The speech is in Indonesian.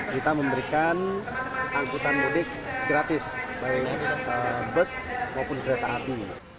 kita memberikan angkutan mudik gratis baik bus maupun kereta api